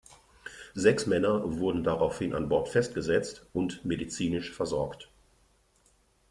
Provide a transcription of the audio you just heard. Sechs Männer wurden daraufhin an Bord festgesetzt und medizinisch versorgt.